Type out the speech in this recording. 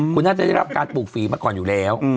คุณน่าจะได้รับการปลูกฝีมาก่อนอยู่แล้ว